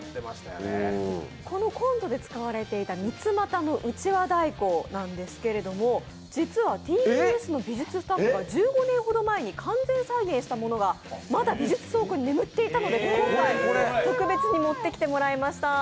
このコントで使われていた三つまたの団扇太鼓なんですが実はＴＢＳの美術スタッフが１５年ほど前に完全再現したものがまだ美術倉庫に眠っていたので今回、特別に持ってきてもらいました。